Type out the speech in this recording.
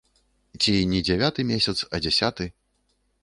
Ці не дзявяты месяц, а дзясяты.